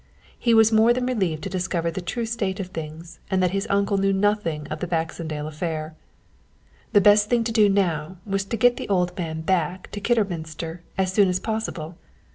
He was more than relieved to discover the true state of things and that his uncle knew nothing of the Baxendale affair. The best thing to do now was to get the old man back to Kidderminster as soon as possible.